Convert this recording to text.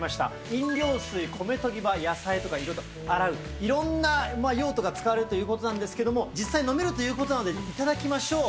飲料水、米とぎ場、野菜とか、いろいろ洗う、いろんな用途が使われるということなんですけれども、実際飲めるということなので、いただきましょう。